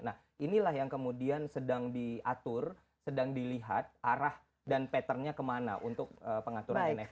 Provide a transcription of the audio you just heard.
nah inilah yang kemudian sedang diatur sedang dilihat arah dan patternnya kemana untuk pengaturan nft